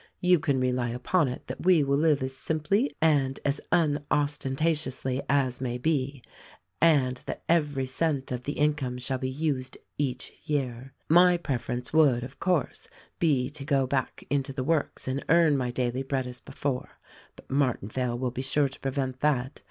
You can rely upon it that we will live as simply and as unostentatiously as may be — and that every cent of the income shall be used each year. My preference would, of course, be to go back into the works and earn my daily bread as before ; but Martinvale will be sure to prevent that.